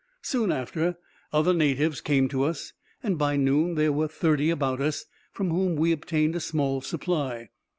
Soon after, other natives came to us; and by noon there were thirty about us, from whom we obtained a small supply.